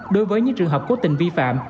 đối với những trường hợp cố tình vi phạm